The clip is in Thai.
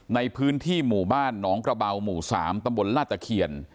ในพื้นที่หมู่บ้านหนองกระเป๋าหมู่๓ตลเกี่ยน